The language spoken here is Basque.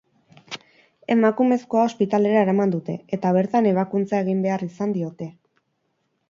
Emakumezkoa ospitalera eraman dute, eta bertan ebakuntza egin behar izan diote.